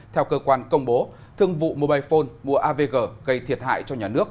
theo cơ quan công bố thương vụ mobile phone mua avg gây thiệt hại cho nhà nước